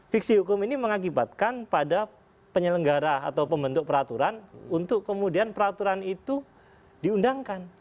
fiksi hukum ini mengakibatkan pada penyelenggara atau pembentuk peraturan untuk kemudian peraturan itu diundangkan